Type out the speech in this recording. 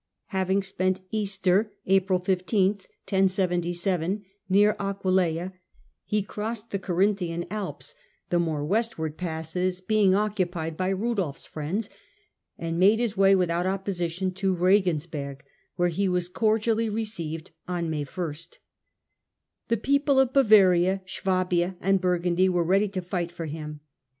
Having spent Easter (April 15) near Aquileia, he crossed the Garinthian yGoogk 1^8 HiLDBBRAND Alps (the more westward passes being occupied by Rudolfs friends), and made his way without opposi tion to Regensberg, where he was cordially received on May \/ The people of Bavaria, Swabia, and Burgundy were ready to fight for him.